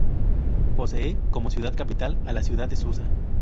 Posee como ciudad capital a la ciudad de Susa.